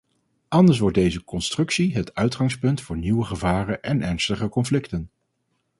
Anders wordt deze constructie het uitgangspunt voor weer nieuwe gevaren en ernstige conflicten.